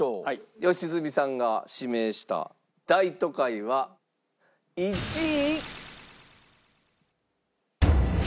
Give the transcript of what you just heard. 良純さんが指名した『大都会』は１位。